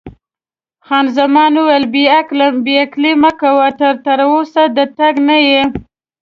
خان زمان وویل: بې عقلي مه کوه، ته تراوسه د تګ نه یې.